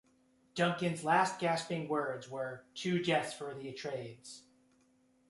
Duncan's last gasping words were, Two deaths for the Atreides.